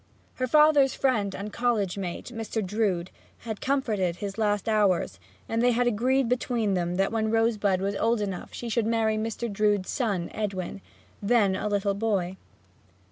Her father's friend and college mate, a Mr. Drood, had comforted his last hours, and they had agreed between them that when Rosebud was old enough she should marry Mr. Drood's son Edwin, then a little boy.